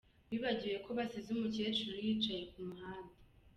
Bibagiwe ko basize umukecuru yicaye ku muhanda.